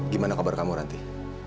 gimana kabar kamu rantih